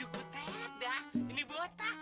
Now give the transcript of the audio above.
ya benar ada orang di bawah